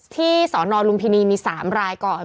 สนลุมพินีมี๓รายก่อน